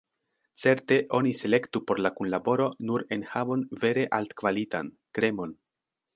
Certe, oni selektu por la kunlaboro nur enhavon vere altkvalitan, “kremon”.